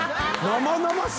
生々しい！